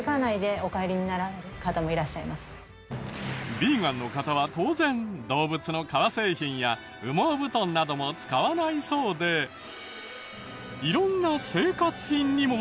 ビーガンの方は当然動物の革製品や羽毛布団なども使わないそうで色んな生活品にも注意を。